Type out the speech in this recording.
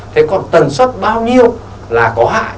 thế còn tần suất bao nhiêu là có hại